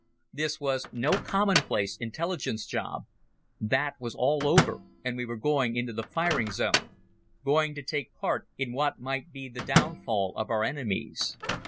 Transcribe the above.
This was no commonplace intelligence job. That was all over, and we were going into the firing zone, going to take part in what might be the downfall of our enemies.